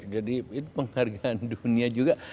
jadi itu penghargaan dunia juga